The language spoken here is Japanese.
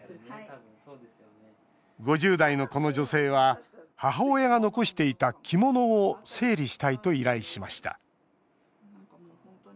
５０代の、この女性は母親が残していた着物を整理したいと依頼しました